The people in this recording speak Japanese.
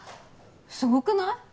すごくない？